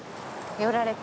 寄られた？